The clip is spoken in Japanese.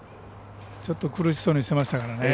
苦しそうにしてましたからね。